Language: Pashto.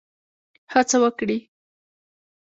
هڅه وکړي.